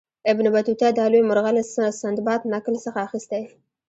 ابن بطوطه دا لوی مرغه له سندباد نکل څخه اخیستی.